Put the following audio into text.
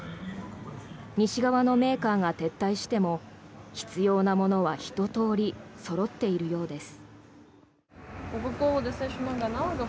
西側のメーカーが撤退しても必要なものはひと通りそろっているようです。